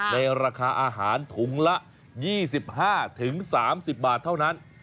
ในราคาอาหารถุงละ๒๕๓๐บาทเท่านั้น